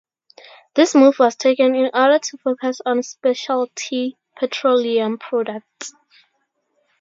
This move was taken in order to focus on specialty petroleum products.